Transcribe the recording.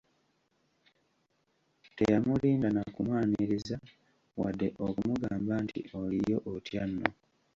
Teyamulinda nakumwaniriza, wadde okumugamba nti, “Oliyo otyanno?